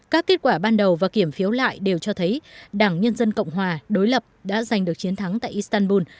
các kết quả ban đầu và kiểm phiếu lại đều cho thấy đảng nhân dân cộng hòa đối lập đã giành được chiến thắng tại istanbul